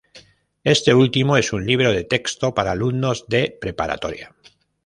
Este último es un libro de texto para alumnos de preparatoria.